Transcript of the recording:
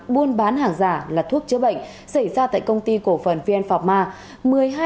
buôn bán hàng giả là thuốc chữa bệnh xảy ra tại công ty cổ phần vn phạm ma